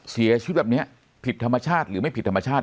เสียชีวิตแบบนี้ผิดธรรมชาติหรือไม่ผิดธรรมชาติ